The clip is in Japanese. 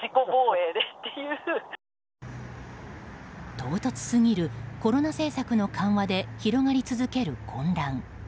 唐突すぎるコロナ政策の緩和で広がり続ける混乱。